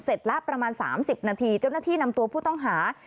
ละประมาณ๓๐นาทีเจ้าหน้าที่นำตัวผู้ต้องหา